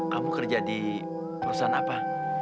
kamu kerja di perusahaan apa